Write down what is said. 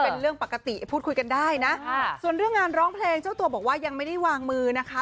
เป็นเรื่องปกติพูดคุยกันได้นะส่วนเรื่องงานร้องเพลงเจ้าตัวบอกว่ายังไม่ได้วางมือนะคะ